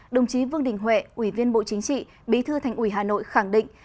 đồng chí vương đình huệ ủy viên bộ chính trị bí thư thành ủy hà nội khẳng định